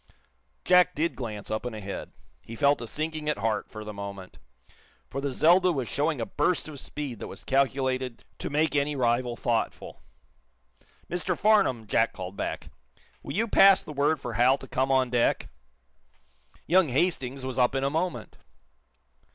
Jack did glance up and ahead. He felt a sinking at heart, for the moment. For the "Zelda" was showing a burst of speed that was calculated to make any rival thoughtful. "Mr. Farnum," Jack called back, "will you pass the word for Hal to come on deck?" Young Hastings was up in a moment!